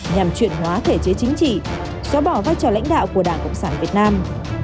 nhằm chuyển hóa thể chế chính trị xóa bỏ vai trò lãnh đạo của đảng cộng sản việt nam